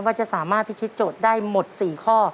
ว่าจะสามารถพิชิตโจทย์ได้หมด๔ข้อ